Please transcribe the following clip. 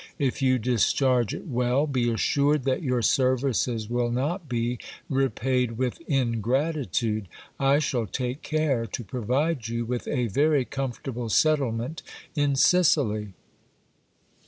If you discharge it well, be assured that your services will not be repaid with ingratitude. I shall take care to provide you with a very comfort able settlement in Sicily.